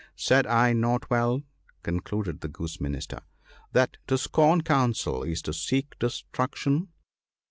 Said I not well/ concluded the Goose Minister, ' that to scorn counsel is to seek destruc tion